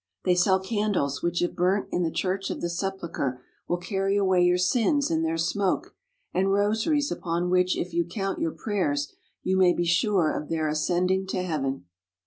They sell candles which if burnt in the Church of the Sepulchre will carry away your sins in their smoke; and rosaries upon which if you count your prayers you may be sure of their ascending to heaven.